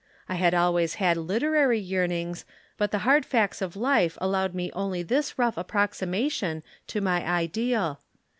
I had always had literary yearnings, but the hard facts of life allowed me only this rough approximation to my ideal.